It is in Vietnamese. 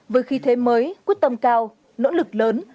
với khí thế mới quyết tâm cao nỗ lực lớn